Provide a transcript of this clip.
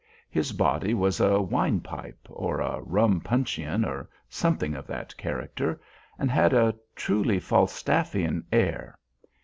His body was a wine pipe or a rum puncheon, or something of that character, and had a truly Falstaffian air.